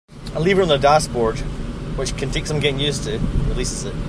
A lever on the dashboard, which can take some getting used to, releases it.